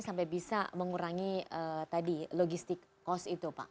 sampai bisa mengurangi tadi logistik cost itu pak